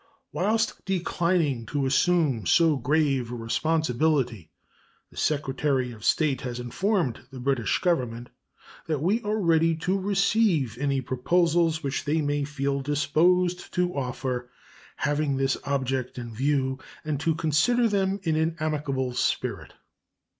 Whilst declining to assume so grave a responsibility, the Secretary of State has informed the British Government that we are ready to receive any proposals which they may feel disposed to offer having this object in view, and to consider them in an amicable spirit.